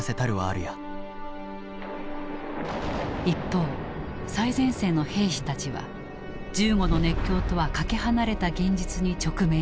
一方最前線の兵士たちは銃後の熱狂とはかけ離れた現実に直面していた。